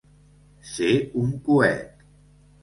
Ser un coet.